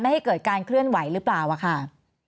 ให้เกิดการเคลื่อนไหวหรือเปล่าค่ะ